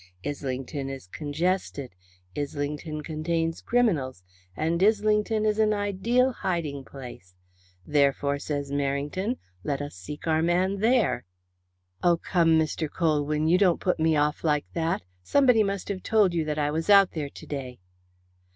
Islington is congested, Islington contains criminals, and Islington is an ideal hiding place. Therefore, says Merrington, let us seek our man there." "Oh, come, Mr. Colwyn, you don't put me off like that. Somebody must have told you that I was out there to day."